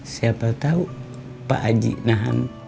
siapa tau pak haji nahan